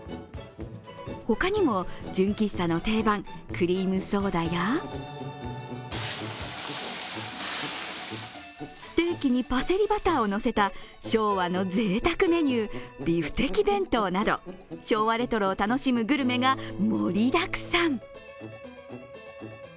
他にも純喫茶の定番、クリームソーダや、ステーキにパセリバターをのせた昭和のぜいたくメニュービフテキ弁当など昭和レトロを楽しむグルメが盛りだくさん。